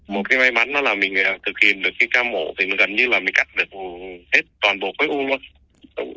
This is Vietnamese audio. một cái may mắn đó là mình thực hiện được cái ca mổ thì mình gần như là mình cắt được hết toàn bộ cái u luôn